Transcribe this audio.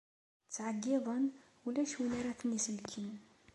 Ttɛeyyiḍen, ulac win ara ten-isellken.